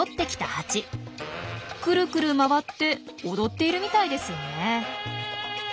クルクル回って踊っているみたいですよね。